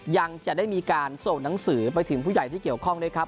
ยังจะได้มีการส่งหนังสือไปถึงผู้ใหญ่ที่เกี่ยวข้องด้วยครับ